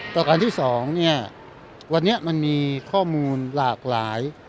ต่อการที่สองวันนี้มันมีข้อมูลหลากหลาย